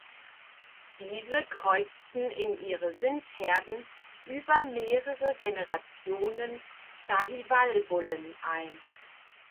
Diese kreuzten in ihre Sindh-Herden über mehrere Generationen Sahiwal-Bullen ein.